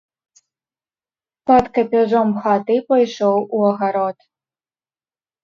Пад капяжом хаты пайшоў у агарод.